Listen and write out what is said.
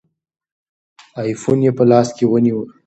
آیفون یې په لاس کې ونیوه.